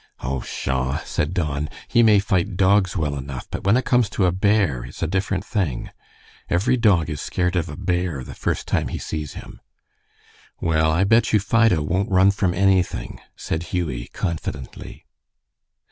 "Oh, pshaw!" said Don, "he may fight dogs well enough, but when it comes to a bear, it's a different thing. Every dog is scared of a bear the first time he sees him." "Well, I bet you Fido won't run from anything," said Hughie, confidently.